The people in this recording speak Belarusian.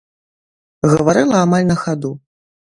Гаварыла амаль на хаду.